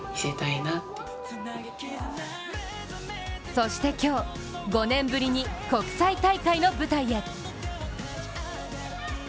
そして今日、５年ぶりに国際大会の舞台へ。